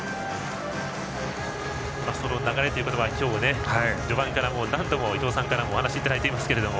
その流れというのは今日、序盤から何度も伊東さんからお話いただいていますが。